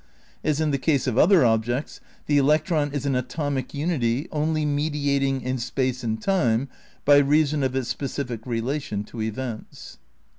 As in the case of other objects the electron is an atomic unity only mediating in space and time by reason of its specific relation to events."